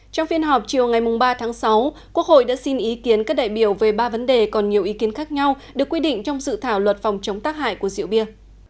trong phiên họp chiều ngày ba tháng sáu quốc hội đã xin ý kiến các đại biểu về ba vấn đề còn nhiều ý kiến khác nhau được quy định trong dự thảo luật phòng chống tác hại của rượu bia